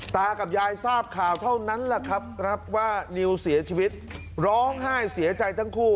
ตากับยายทราบข่าวเท่านั้นแหละครับรับว่านิวเสียชีวิตร้องไห้เสียใจทั้งคู่